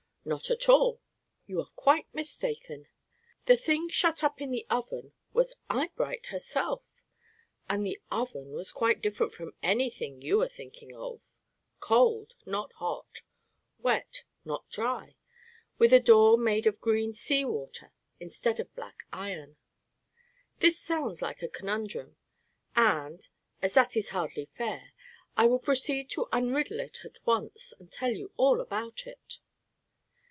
Not at all. You are quite mistaken. The thing shut up in the Oven was Eyebright herself! And the Oven was quite different from any thing you are thinking of, cold, not hot; wet, not dry; with a door made of green sea water instead of black iron. This sounds like a conundrum; and, as that is hardly fair, I will proceed to unriddle it at once and tell you all about it.